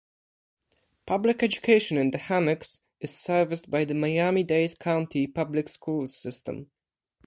Public education in The Hammocks is serviced by the Miami-Dade County Public Schools system.